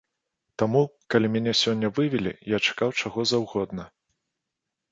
Таму, калі мяне сёння вывелі, я чакаў чаго заўгодна.